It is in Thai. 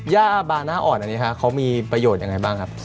ย่าบาน่าอ่อนอันนี้ฮะเขามีประโยชน์ยังไงบ้างครับ